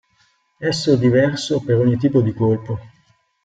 Esso è diverso per ogni tipo di colpo.